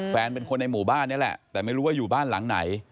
เป็นคนในหมู่บ้านนี่แหละแต่ไม่รู้ว่าอยู่บ้านหลังไหน